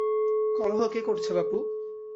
কলহ কে করছে বাপু!